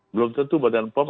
belum tentu bpom